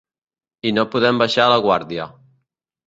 I no podem baixar la guàrdia.